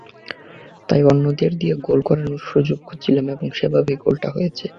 তাই অন্যদের দিয়ে গোল করানোর সুযোগ খুঁজছিলাম এবং সেভাবেই গোলটা হয়েছে।